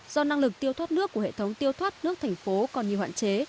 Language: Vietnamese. do năng lực tiêu thoát nước của hệ thống tiêu thoát nước thành phố còn nhiều hoạn chế